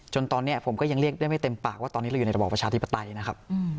จนตอนนี้ผมก็ยังเรียกได้ไม่เต็มปากว่าตอนนี้เราอยู่ในระบอบประชาธิปไตยนะครับ